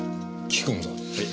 はい。